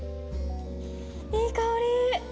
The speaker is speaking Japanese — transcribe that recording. いい香り。